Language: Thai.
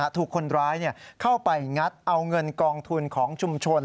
ถูกคนร้ายเข้าไปงัดเอาเงินกองทุนของชุมชน